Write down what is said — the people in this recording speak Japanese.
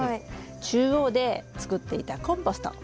中央で作っていたコンポスト